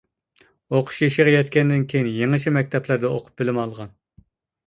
ئوقۇش يېشىغا يەتكەندىن كېيىن يېڭىچە مەكتەپلەردە ئوقۇپ بىلىم ئالغان.